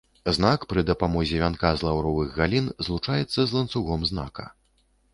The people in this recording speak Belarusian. Знак пры дапамозе вянка з лаўровых галін злучаецца з ланцугом знака.